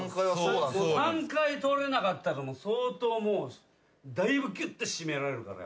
３回取れなかったら相当もうだいぶぎゅって締められるから。